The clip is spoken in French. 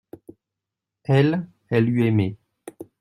Elle, elle eut aimé.